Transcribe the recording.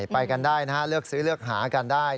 ไปกันได้นะฮะเลือกซื้อเลือกหากันได้